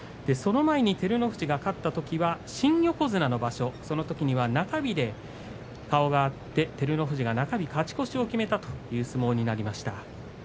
その前に照ノ富士が勝ったときは新横綱の場所、そのときには中日で顔が合って照ノ富士が中日勝ち越しを決めたという相撲になりました。